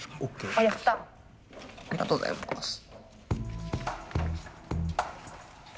ありがとうございます。